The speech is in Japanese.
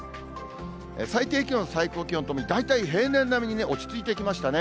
最低気温、最高気温ともに大体平年並みに落ち着いてきましたね。